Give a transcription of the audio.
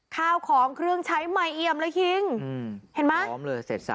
ข้าวของเครื่องใช้ใหม่เอี่ยมเลยคิงเห็นไหมพร้อมเลยเสร็จสระ